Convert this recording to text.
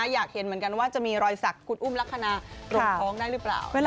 อยากเห็นเหมือนกันว่าจะมีรอยสักคุณอุ้มลักษณะตรงท้องได้หรือเปล่า